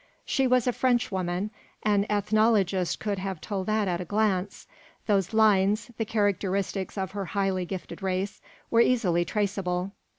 She was a Frenchwoman: an ethnologist could have told that at a glance. Those lines, the characteristics of her highly gifted race, were easily traceable.